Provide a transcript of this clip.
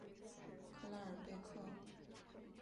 克拉尔贝克。